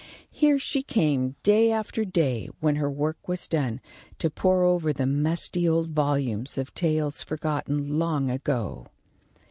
Here she came day after day, when her work was done, to pore over the musty old volumes of tales forgotten long ago.